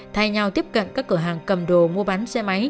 thay nhau tiếp cận các cửa hàng cầm đồ mua bán xe máy